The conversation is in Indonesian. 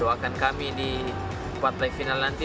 doakan kami di partai final nanti